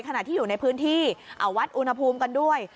ขณะที่อยู่ในพื้นที่เอาวัดอุณหภูมิกันด้วย